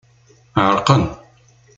Ɛerqen.